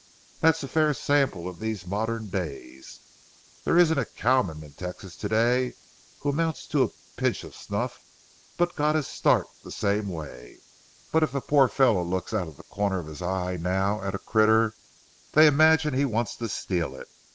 That's a fair sample of these modern days. There isn't a cowman in Texas to day who amounts to a pinch of snuff, but got his start the same way, but if a poor fellow looks out of the corner of his eye now at a critter, they imagine he wants to steal it.